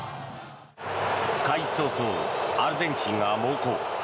開始早々、アルゼンチンが猛攻。